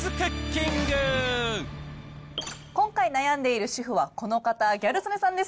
今回悩んでいる主婦はこの方、ギャル曽根さんです。